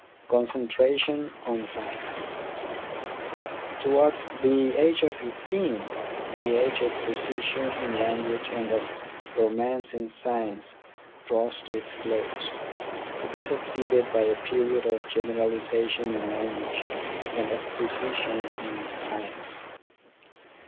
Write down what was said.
CONCENTRATION ON SCIENCE Towards the age of fifteen the age of precision in language and of romance in science draws to its close, to be succeeded by a period of generaliza tion in language and of precision in science.